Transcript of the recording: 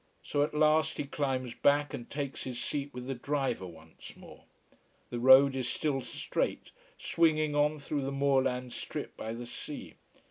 So at last he climbs back and takes his seat with the driver once more. The road is still straight, swinging on through the moorland strip by the sea.